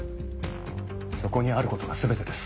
そこにあることが全てです